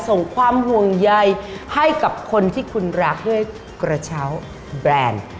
ส่งความห่วงใยให้กับคนที่คุณรักด้วยกระเช้าแบรนด์